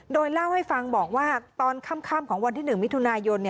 โดยเล่าให้ฟังบอกว่าตอนค่ำของวันที่๑มิถุนายน